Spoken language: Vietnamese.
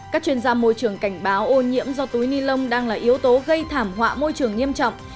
các chuyên gia môi trường cảnh báo ô nhiễm do túi ni lông đang là yếu tố gây thảm họa môi trường nghiêm trọng